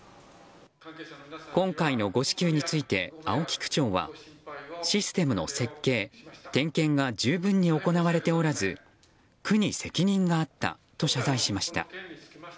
今回の誤支給について青木区長はシステムの設計、点検が十分に行われておらず区に責任があったと謝罪しました。